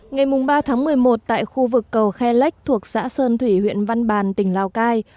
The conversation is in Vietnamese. ngày ba tháng một mươi một tại khu vực cầu khe lách thuộc xã sơn thủy huyện văn bàn tỉnh lào cai